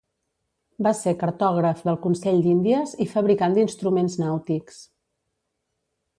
Va ser cartògraf del Consell d'Índies i fabricant d'instruments nàutics.